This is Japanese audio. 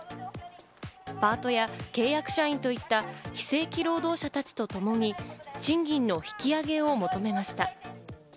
パートや契約社員といった非正規労働者たちと共に賃金の引き上げを求めました。